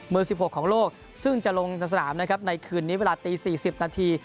๑๖ของโลกซึ่งจะลงสนามนะครับในคืนนี้เวลาตี๔๐นาที